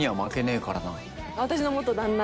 私の元旦那。